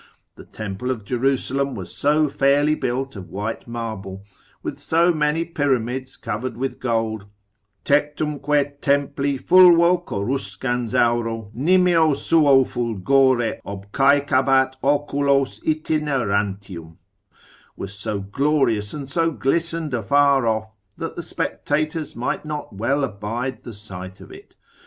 The temple of Jerusalem was so fairly built of white marble, with so many pyramids covered with gold; tectumque templi fulvo coruscans auro, nimio suo fulgore obcaecabat oculos itinerantium, was so glorious, and so glistened afar off, that the spectators might not well abide the sight of it.